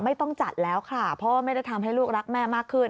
ไม่ต้องจัดแล้วค่ะเพราะว่าไม่ได้ทำให้ลูกรักแม่มากขึ้น